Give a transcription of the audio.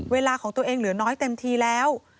เวลาของตัวเองเหลือน้อยเต็มทีแล้ว